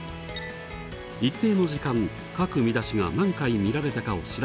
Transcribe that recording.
一定の時間各見出しが何回見られたかを調べたのがこちら。